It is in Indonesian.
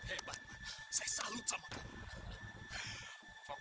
kau sudah mencimalah dia